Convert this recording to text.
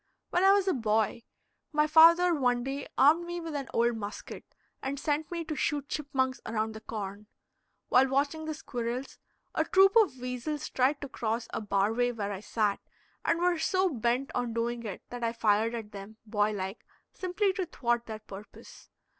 When I was a boy, my father one day armed me with an old musket and sent me to shoot chipmunks around the corn. While watching the squirrels, a troop of weasels tried to cross a bar way where I sat, and were so bent on doing it that I fired at them, boy like, simply to thwart their purpose.